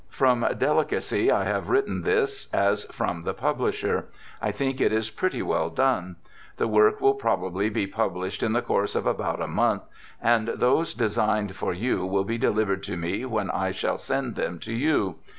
From delicacy I have written this as from the publisher. I think it is pretty well done. The work will probably be published in the course of about a month, and those designed for 3'ou will be delivered to me, when I shall send them to you.